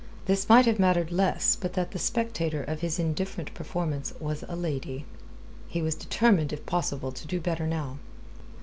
This might have mattered less but that the spectator of his indifferent performance was a lady. He was determined if possible to do better now.